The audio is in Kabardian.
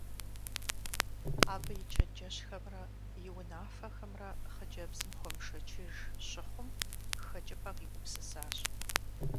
Абы и чэнджэщхэмрэ и унафэхэмрэ хъыджэбзым хуэмышэчыж щыхъум, хэкӀыпӀэ къигупсысащ.